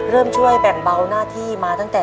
เริ่มช่วยแบ่งเบาหน้าที่มาตั้งแต่